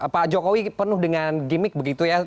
pak jokowi penuh dengan gimmick begitu ya